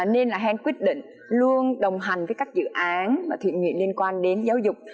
nên là hèn quyết định luôn đồng hành với các dự án và thuyện nguyện liên quan đến giáo dục